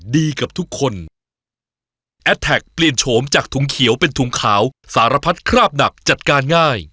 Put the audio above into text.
กับทุกคนแอดแท็กเปลี่ยนโฉมจากถุงเขียวเป็นถุงขาวสารพัดคราบหนักจัดการง่าย